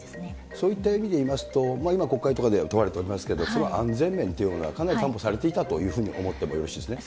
そういった意味で言いますと、今、国会とかで問われておりますけれども、それは安全面というのは、かなり担保されていたというふうに思ってもよろしいですね。